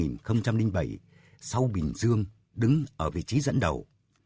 đối với thành phố bình dương đứng ở vị trí dẫn đầu